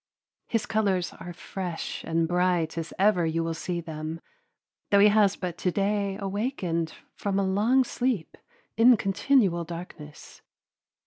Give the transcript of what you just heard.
His colors are fresh and bright as ever you will see them, though he has but to day awakened from a long sleep in continual darkness.